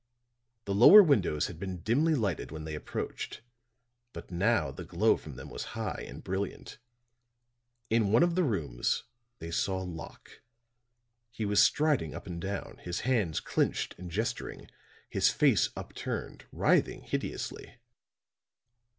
The lower windows had been dimly lighted when they approached; but now the glow from them was high and brilliant. In one of the rooms they saw Locke; he was striding up and down, his hands clinched and gesturing, his face upturned, writhing hideously.